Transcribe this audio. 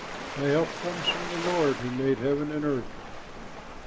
My help comes from the Lord, who made heaven and earth.